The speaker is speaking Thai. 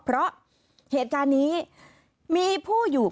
เพราะเหตุการณ์นี้มีผู้อยู่